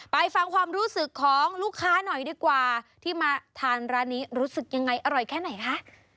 ไปฟังความรู้สึกของลูกค้าหน่อยดีกว่าที่มาทานร้านนี้รู้สึกยังไงอร่อยแค่ไหนคะ